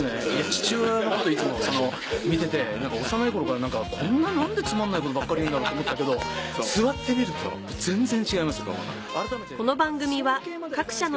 父親のこといつも見てて幼い頃から何か何でつまんないことばっかり言うんだろうって思ってたけど座ってみると全然違います。